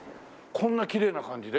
こんなきれいな感じで？